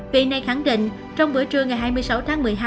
vị này khẳng định trong bữa trưa ngày hai mươi sáu tháng một mươi hai